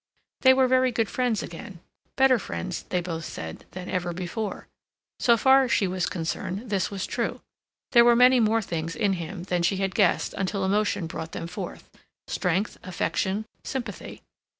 They were very good friends again, better friends, they both said, than ever before. So far as she was concerned this was true. There were many more things in him than she had guessed until emotion brought them forth—strength, affection, sympathy.